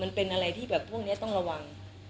มันเป็นอะไรที่แบบพวกนี้ต้องระวัง